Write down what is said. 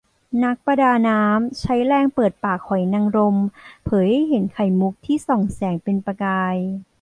นักประดาน้ำ ใช้แรงเปิดปากหอยนางลม เผยให้เห็นไข่มุขที่ส่องแสงเป็นประกาย